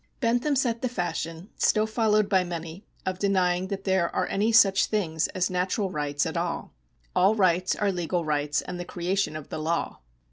Bentham set the fashion, still followed by many, of denying that there are any such things as natural rights at all. All rights are legal rights and the creation of the law.